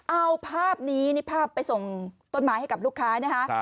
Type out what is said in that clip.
เอาภาพนี้นี่ภาพไปส่งต้นไม้ให้กับลูกค้านะคะ